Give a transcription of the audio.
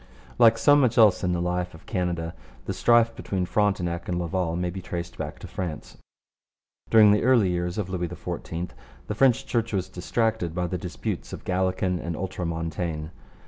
Like so much else in the life of Canada, the strife between Frontenac and Laval may be traced back to France. During the early years of Louis XIV the French Church was distracted by the disputes of Gallican and Ultramontane.